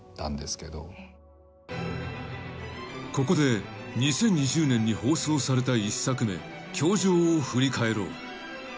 ［ここで２０２０年に放送された１作目『教場』を振り返ろう］